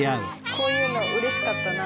こういうのうれしかったなあ。